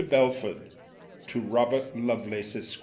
BELFORD, TO ROBERT LOVELACE, ESQ.